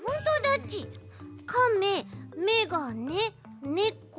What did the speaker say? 「かめ」「めがね」「ねこ」